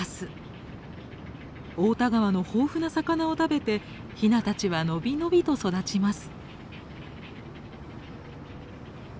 太田川の豊富な魚を食べてヒナたちは伸び伸びと育ちます。